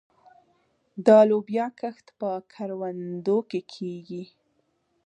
د لوبیا کښت په کروندو کې کیږي.